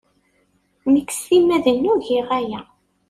Nekk s timmad-inu giɣ aya.